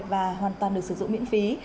và hoàn toàn được sử dụng miễn phí